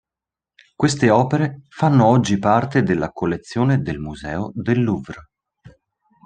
Queste opere fanno oggi parte della collezione del museo del Louvre.